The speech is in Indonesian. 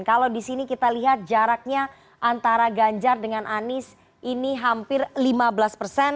kalau di sini kita lihat jaraknya antara ganjar dengan anies ini hampir lima belas persen